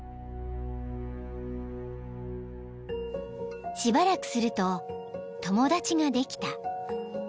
［しばらくすると友達ができた］